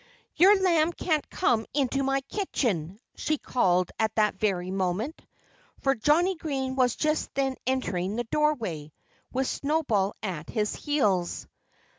"Your lamb can't come into my kitchen!" she called at that very moment. For Johnnie Green was just then entering the doorway, with Snowball at his heels.